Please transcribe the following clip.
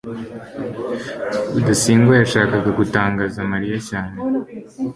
rudasingwa yashakaga gutangaza mariya cyane